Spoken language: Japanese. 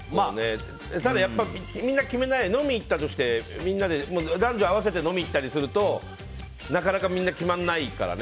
ただやっぱりみんな決めない飲み行ったとして男女合わせて飲みに行ったりするとなかなかみんな決まらないからね。